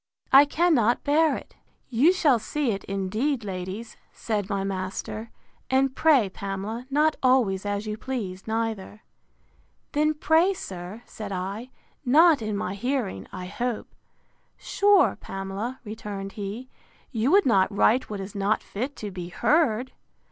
I cannot bear it.—You shall see it, indeed, ladies, said my master; and pray, Pamela, not always as you please, neither.—Then, pray sir, said I, not in my hearing, I hope.—Sure, Pamela, returned he, you would not write what is not fit to be heard!